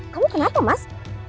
kamu kenapa mas